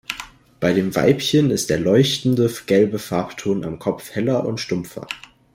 Bei dem Weibchen ist der leuchtende gelbe Farbton am Kopf heller und stumpfer.